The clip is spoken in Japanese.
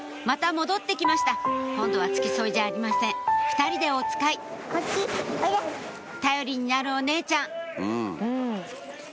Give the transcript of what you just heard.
また戻って来ました今度は付き添いじゃありません２人でおつかい頼りになるお姉ちゃん